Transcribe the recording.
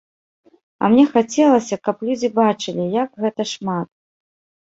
А мне хацелася, каб людзі бачылі, як гэта шмат.